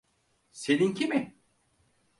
Seninki mi?